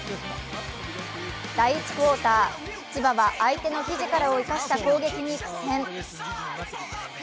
第１クオーター、千葉は相手のフィジカルを生かした攻撃に苦戦。